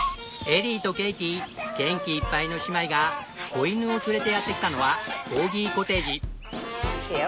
エリーとケイティ元気いっぱいの姉妹が子犬を連れてやってきたのはコーギコテージ。